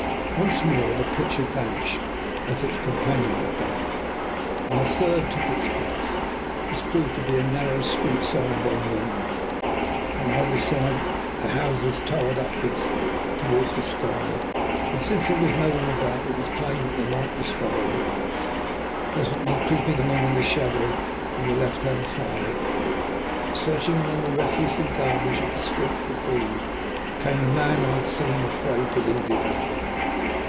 Once more the picture vanished as its companion had done, and a third took its place. This proved to be a narrow street scene by moonlight. On either side the houses towered up towards the sky, and since there was no one about, it was plain that the night was far advanced. Presently, creeping along in the shadow, on the left hand side, searching among the refuse and garbage of the street for food, came the man I had seen afraid to leave his attic.